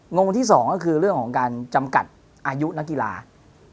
งงที่๒ก็คือเรื่องของการจำกัดอายุนักกีฬา